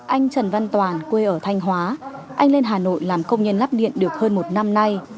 anh trần văn toàn quê ở thanh hóa anh lên hà nội làm công nhân lắp điện được hơn một năm nay